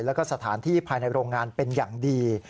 แล้วก็สถานที่ภายในโรงงานเป็นอย่างดี